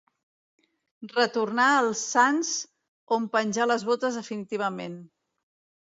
Retornà al Sants on penjà les botes definitivament.